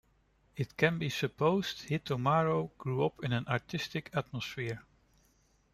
It can be supposed Hitomaro grew up in an artistic atmosphere.